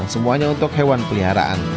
semuanya untuk hewan peliharaan